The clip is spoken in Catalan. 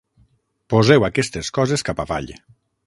Poseu aquestes coses cap avall.